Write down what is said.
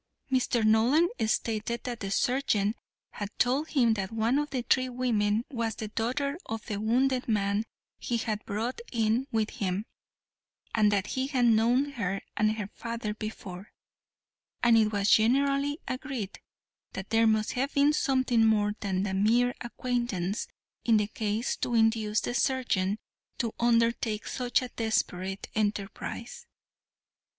Mr. Nolan stated that the sergeant had told him that one of the three women was the daughter of the wounded man he had brought in with him, and that he had known her and her father before, and it was generally agreed that there must have been something more than mere acquaintance in the case to induce the sergeant to undertake such a desperate enterprise.